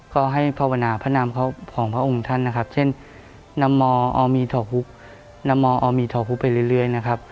ก็ให้ภาวนาพระนามของพระองค์ท่านเช่นนำมออมิตราพุทธไปเรื่อย